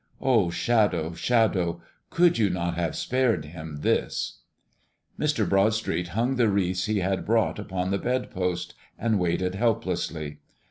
O Shadow, Shadow, could you not have spared him this? Mr. Broadstreet hung the wreaths he had brought upon the bed post, and waited helplessly.